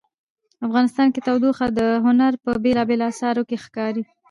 افغانستان کې تودوخه د هنر په بېلابېلو اثارو کې ښکاري.